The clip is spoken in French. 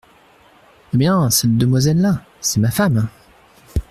Eh bien, cette demoiselle-là, c’est ma femme !